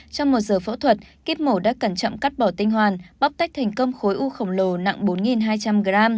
trong một giờ phẫu thuật kíp mổ đã cẩn trọng cắt bỏ tinh hoàn bóc tách thành công khối u khổng lồ nặng bốn hai trăm linh g